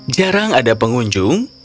jarang ada pengunjung